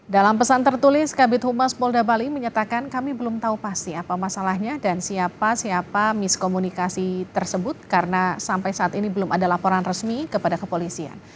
dalam pesan tertulis kabit humas polda bali menyatakan kami belum tahu pasti apa masalahnya dan siapa siapa miskomunikasi tersebut karena sampai saat ini belum ada laporan resmi kepada kepolisian